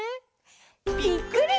ぴっくり！